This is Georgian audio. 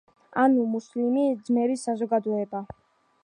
ანუ მუსლიმი ძმების საზოგადოება.